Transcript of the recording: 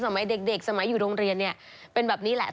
สมัยเด็กสมัยอยู่โรงเรียนเนี่ยเป็นแบบนี้แหละ